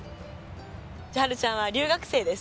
千温ちゃんは留学生です。